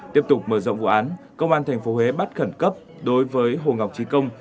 tiếp tục mở rộng vụ án công an tp huế bắt khẩn cấp đối với hồ ngọc trí công